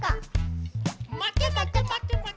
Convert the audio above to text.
まてまてまてまてまて。